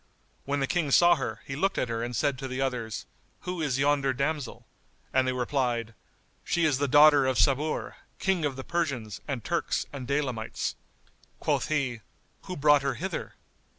When the King saw her, he looked at her and said to the others, "Who is yonder damsel?"; and they replied, "She is the daughter of Sabur, King of the Persians and Turks and Daylamites." Quoth he, "Who brought her hither?"